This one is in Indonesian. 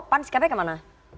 pan sikapnya kemana